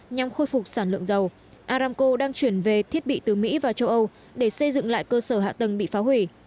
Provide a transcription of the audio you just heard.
nhằm khôi phục sản lượng dầu aramco đang chuyển về thiết bị từ mỹ và châu âu để xây dựng lại cơ sở hạ tầng bị phá hủy